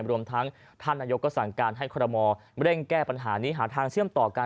รวมทั้งท่านนายกก็สั่งการให้คอรมอลเร่งแก้ปัญหานี้หาทางเชื่อมต่อกัน